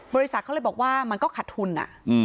บริษัทเขาเลยบอกว่ามันก็ขัดทุน